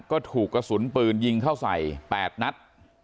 ก็ถูกกระสุนปืนยิงเข้าใส่๘นัด